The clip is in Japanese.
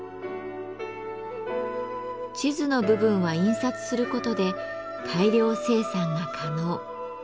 地図の部分は印刷することで大量生産が可能。